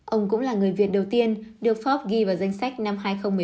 ông cũng là người việt đầu tiên được forbes ghi vào danh sách năm hai nghìn một mươi ba